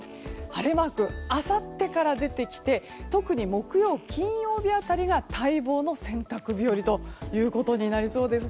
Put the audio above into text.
晴れマークがあさってから出てきて特に木曜日、金曜日辺りが待望の洗濯日和ということになりそうです。